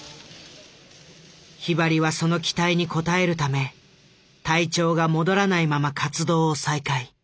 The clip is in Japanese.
ひばりはその期待に応えるため体調が戻らないまま活動を再開。